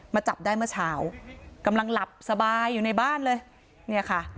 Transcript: จับได้เมื่อเช้ากำลังหลับสบายอยู่ในบ้านเลยเนี่ยค่ะ